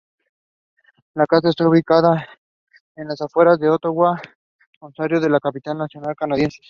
La casa está ubicada en las afueras de Ottawa, Ontario, la capital nacional canadiense.